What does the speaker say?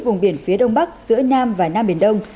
vùng biển phía đông bắc giữa nam và nam biển đông